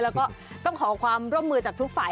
แล้วก็ต้องขอความร่วมมือจากทุกฝ่าย